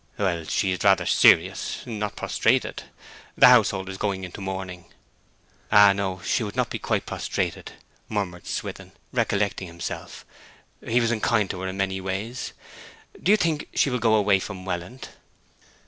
'Well, she is rather serious, not prostrated. The household is going into mourning.' 'Ah, no, she would not be quite prostrated,' murmured Swithin, recollecting himself. 'He was unkind to her in many ways. Do you think she will go away from Welland?'